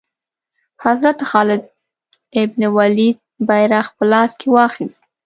حضرت خالد بن ولید بیرغ په لاس کې واخیست.